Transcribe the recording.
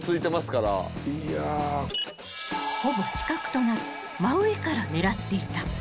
［ほぼ死角となる真上から狙っていた］